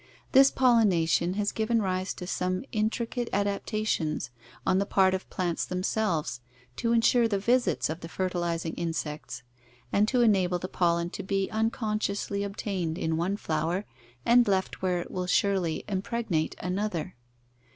This pollenation has given rise to some intricate adaptations on the part of plants them selves to insure the visits of the fertilizing insects and to enable the pollen to be unconsciously obtained in one flower and left where it will surely impregnate another.